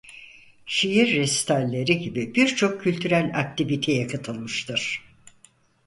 Şiir resitalleri gibi birçok kültürel aktiviteye katılmıştır.